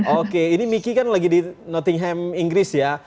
oke ini miki kan lagi di nottingham inggris ya